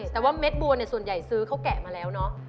แต่ว่าเม็ดบัวเนี่ยส่วนใหญ่ซื้อเขาแกะมาแล้วเนาะ